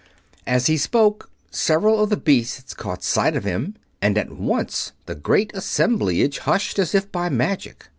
As he spoke several of the beasts caught sight of him, and at once the great assemblage hushed as if by magic.